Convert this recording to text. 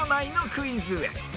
クイズへ